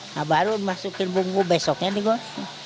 nah baru dimasukin bumbu besoknya nih gue